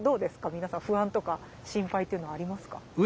皆さん不安とか心配っていうのはありますか？